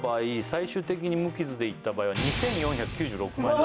最終的に無傷でいった場合は２４９６万円